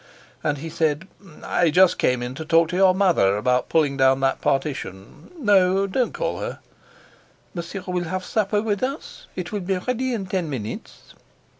And he said: "I just came in to talk to your mother about pulling down that partition. No, don't call her." "Monsieur will have supper with us? It will be ready in ten minutes."